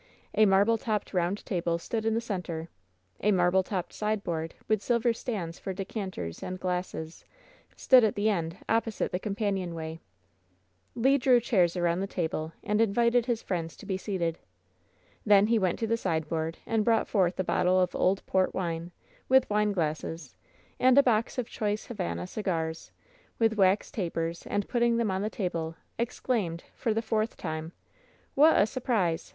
A marble topped round table stood in the center. A mar ble topped sideboard, with silver stands for decanters and glasses, stood at the end opposite the companion way. Le drew chairs around the table and invited his friends to be seated. Then he went to the sideboard and brought forth a bottle of old port wine, with wineglasses, and a box of <*hoice Havana cigars, with wax tapers, and putting xhem on the table, exclaimed, for the fourth time: "What a surprise!